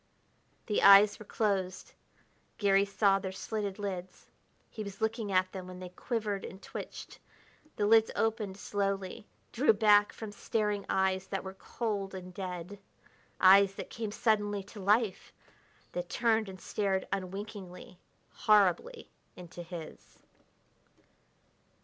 The eyes were closed; Garry saw their slitted lids. He was looking at them when they quivered and twitched. The lids opened slowly, drew back from staring eyes that were cold and dead eyes that came suddenly to life, that turned and stared unwinkingly, horribly, into his.